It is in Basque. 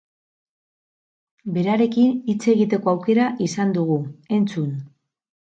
Berarekin hitz egiteko aukera izan dugu, entzun!